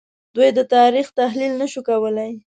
دوی د تاریخ تحلیل نه شو کولای